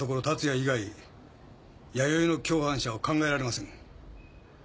以外弥生の共犯者は考えられません。